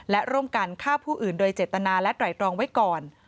และร่วมกันฆ่าผู้อื่นโดยเจตนาและไตรรองไว้ก่อน